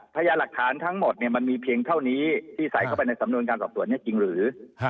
พยายามหลักฐานทั้งหมดมันมีเพียงเท่านี้ที่ใส่เข้าไปในสำนวนการสอบสวนเนี่ยจริงหรือ